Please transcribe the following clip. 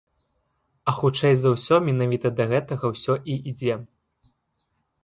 А хутчэй за ўсё, менавіта да гэтага ўсё і ідзе.